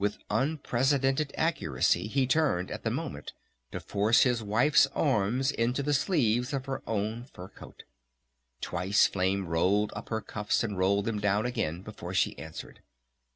With unprecedented accuracy he turned at the moment to force his wife's arms into the sleeves of her own fur coat. Twice Flame rolled up her cuffs and rolled them down again before she answered.